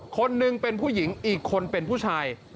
คนหนึ่งเป็นผู้หญิงอีกคนเป็นผู้ชาย